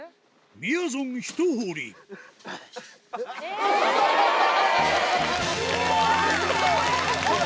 みやぞんひと掘りえぇ！ほら！